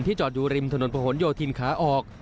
จอดอยู่ริมถนนประหลโยธินขาออก